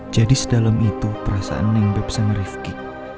jadi sedalam itu perasaan yang beb sang rifki